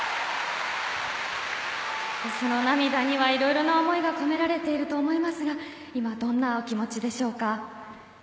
その涙には、いろいろな思いが込められていると思いますが今、どんなお気持ちでしょうか？